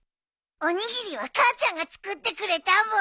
おにぎりは母ちゃんが作ってくれたブー。